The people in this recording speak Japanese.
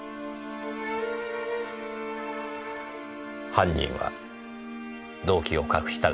犯人は動機を隠したがります。